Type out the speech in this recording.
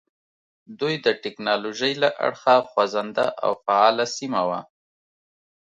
دوی د ټکنالوژۍ له اړخه خوځنده او فعاله سیمه وه.